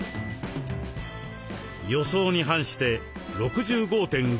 予想に反して６５．５キロ。